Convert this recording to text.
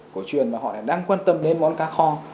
cổ truyền và họ đang quan tâm đến món cá kho